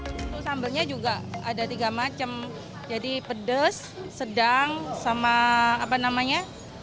untuk sambalnya juga ada tiga macam jadi pedes sedang sama apa namanya